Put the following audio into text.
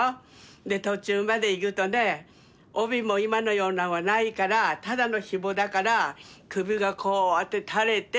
で途中まで行くとね帯も今のようなんはないからただのひもだから首がこうやって垂れているわけね。